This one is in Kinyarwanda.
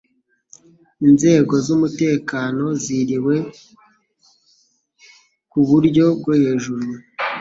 Inzego zumutekano zirizewe kuburyo bwohejuru